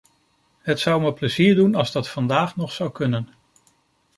Het zou me plezier doen als dat vandaag nog zou kunnen.